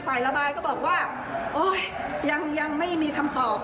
ฝ่ายระบายก็บอกว่ายังไม่มีคำตอบ